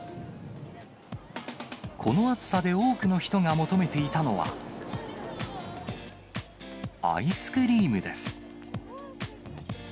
この暑さで多くの人が求めていたのは、アイスクリームです。